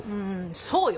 そうよ。